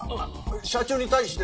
社長に対して。